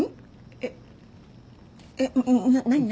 えっえっ何何？